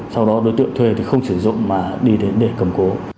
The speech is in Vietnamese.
sau đó đối tượng thuê thì không sử dụng mà đi đến để cầm cố